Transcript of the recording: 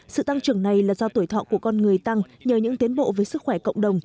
sự tăng trưởng này là do tuổi thọ của con người tăng nhờ những tiến bộ với sức khỏe cộng đồng